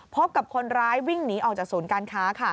พบกับคนร้ายวิ่งหนีออกจากศูนย์การค้า